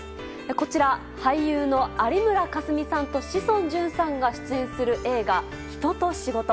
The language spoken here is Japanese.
こちら、俳優の有村架純さんと志尊淳さんが出演する映画「人と仕事」。